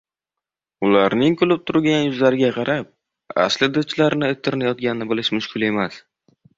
Ularning kulib turgan yuzlariga qarab, aslida ichlarini it tirnayotganini bilish mushkul emas